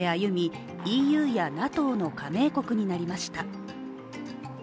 民主主義国家として歩みＥＵやＮＡＴＯの加盟国になりました。